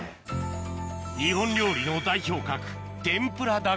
日本料理の代表格